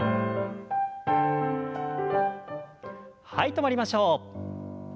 止まりましょう。